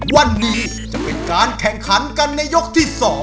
วันนี้จะเป็นการแข่งขันกันในยกที่๒